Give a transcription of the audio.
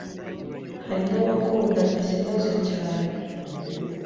hari n’abakunda izinoze cyane